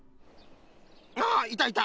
あいたいた。